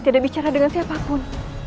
tidak bicara dengan siapapun